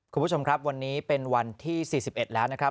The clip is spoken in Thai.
คุณผู้ชมครับวันนี้เป็นวันที่๔๑แล้วนะครับ